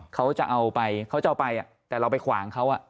เขาจะเอาไปแต่เราไปขวางเขา